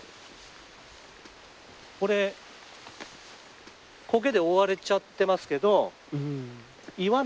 これコケで覆われちゃってますけど岩なんですよね。